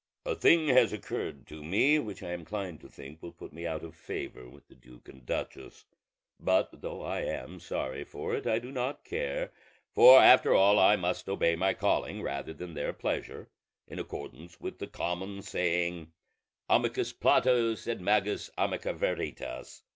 A thing has occurred to me which I am inclined to think will put me out of favor with the duke and duchess; but though I am sorry for it, I do not care, for after all I must obey my calling rather than their pleasure, in accordance with the common saying, Amicus Plato, sed magis amica veritas.